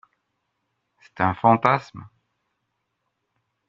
C’est un fantasme